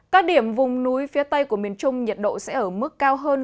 các điểm vùng núi phía tây của miền trung nhiệt độ sẽ ở mức cao hơn